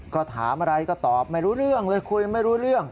ก็ถามอะไรก็ตอบไม่รู้เรื่องเลยคุยไม่รู้เรื่อง